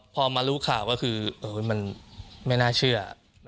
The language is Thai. พอมารู้ข่าวก็คือมันไม่น่าเชื่อ